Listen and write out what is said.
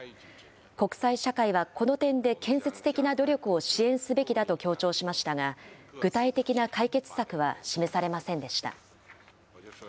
国際社会はこの点で建設的な努力を支援すべきだと強調しましたが、具体的な解決策は示されませんでした。